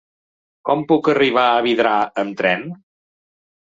Com puc arribar a Vidrà amb tren?